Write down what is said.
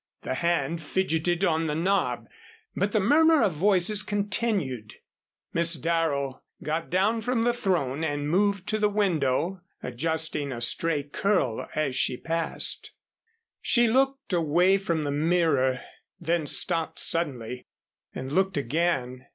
The hand fidgeted on the knob, but the murmur of voices continued. Miss Darrow got down from the throne and moved to the window, adjusting a stray curl as she passed. She looked away from the mirror, then stopped suddenly and looked again.